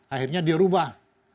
akhirnya dia rubah